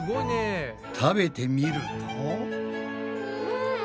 食べてみると。